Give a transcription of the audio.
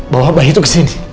bawa habah itu ke sini